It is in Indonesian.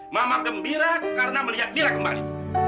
mama gembira karena melihat nila kembali